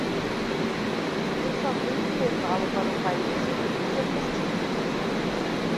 Você só tem que levá-lo para o país onde tudo é possível.